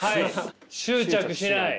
執着しない。